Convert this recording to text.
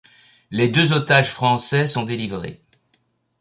Les deux otages français sont délivrés.